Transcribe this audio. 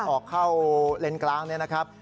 ออกเข้าเลนส์กลางเนี่ยนะครับ